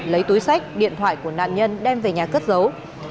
lấy túi sách điện thoại của nạn nhân đem về nhà cất giấu